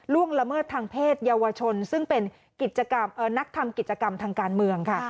ละเมิดทางเพศเยาวชนซึ่งเป็นกิจกรรมนักทำกิจกรรมทางการเมืองค่ะ